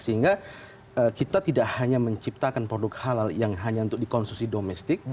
sehingga kita tidak hanya menciptakan produk halal yang hanya untuk dikonsumsi domestik